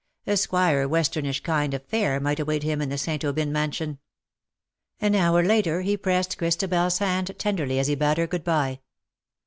A Squire Westernish kind of fare might await him in the St. Aubyn mansion. An hour later, he pressed ChristabcFs hand tenderly as he bade her good bye.